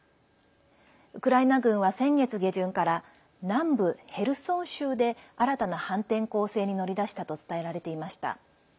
ウクライナ軍は先月下旬から南部ヘルソン州で新たな反転攻勢に乗り出したと伝えられていました。